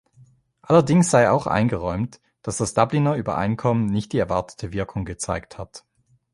Allerdings sei auch eingeräumt, dass das Dubliner Übereinkommen nicht die erwartete Wirkung gezeigt hat.